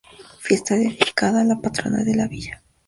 Fiesta dedicada a la patrona de la villa.